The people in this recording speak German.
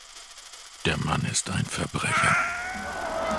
Der Mann ist ein Verbrecher.